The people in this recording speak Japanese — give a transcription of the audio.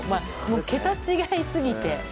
桁違いすぎて。